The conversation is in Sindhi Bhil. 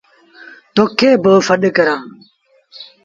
تو کي پيو سڏ ڪرآݩ ۔